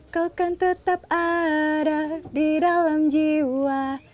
kau akan tetap ada di dalam jiwa